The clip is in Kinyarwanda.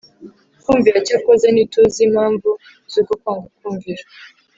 kumvira Cyakora ntituzi impamvu z uko kwanga kumvira